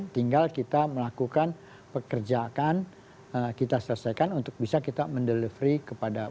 tinggal kita melakukan pekerjaan kita selesaikan untuk bisa kita mendelivery kepada